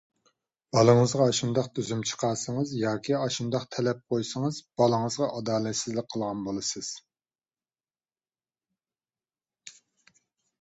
بالىڭىزغا ئاشۇنداق تۈزۈم چىقارسىڭىز، ياكى ئاشۇنداق تەلەپ قويسىڭىز، بالىڭىزغا ئادالەتسىزلىك قىلغان بولىسىز.